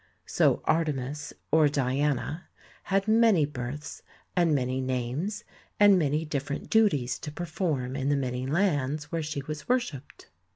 So Artemis, or Diana, had many births and many names and many differ THE TEMPLE OF DIANA 103 ent duties to perform in the many lands where she was worshipped.